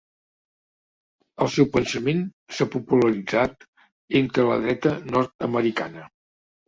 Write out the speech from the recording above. El seu pensament s'ha popularitzat entre la dreta nord-americana.